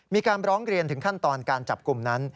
มีการร้องเรียนถึงขั้นตอนการจับกลุ่มนั้น